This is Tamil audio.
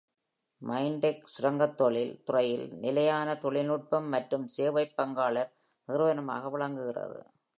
மைன்டெக் சுரங்கத் தொழில் துறையில் நிலையான தொழில்நுட்பம் மற்றும் சேவைப் பங்காளர் நிறுவனமாக விளங்குகிறது.